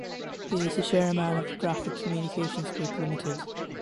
He is the Chairman of the Graphic Communications Group Limited.